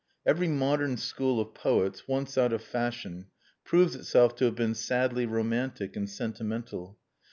Every modern school of poets, once out of fashion, proves itself to have been sadly romantic and sentimental.